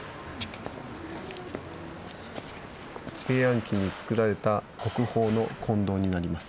平安期につくられた国宝の金堂になります。